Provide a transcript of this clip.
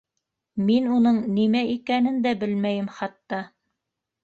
—Мин уның нимә икәнен дә белмәйем хатта.